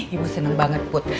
ibu seneng banget put